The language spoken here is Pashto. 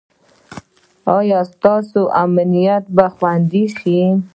ایا ستاسو امنیت به خوندي شي؟